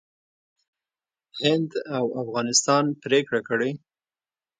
هند او افغانستان پرېکړه کړې